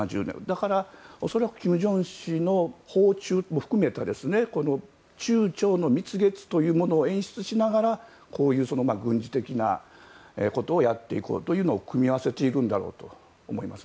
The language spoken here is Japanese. だから恐らく金正恩氏の訪中も含めて中朝の蜜月というものを演出しながら軍事的なことをやっていこうというのを組み合わせているんだろうと思います。